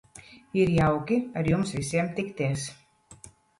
Ir jauki ar jums visiem tikties.